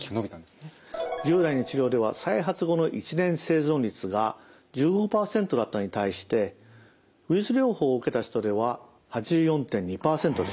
従来の治療では再発後の１年生存率が１５％だったのに対してウイルス療法を受けた人では８４．２％でした。